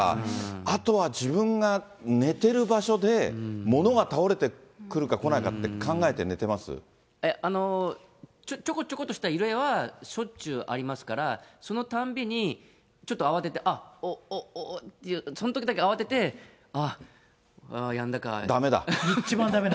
あとは自分が寝てる場所で、物が倒れてくるか、ちょこちょこっとした揺れは、しょっちゅうありますから、そのたんびに、ちょっと慌てて、あっ、おっ、おっていう、そのときだけ慌てて、ああ、やんだかって。